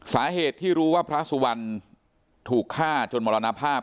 สาเหตุที่รู้ว่าพระสุวรรณถูกฆ่าจนมรณภาพ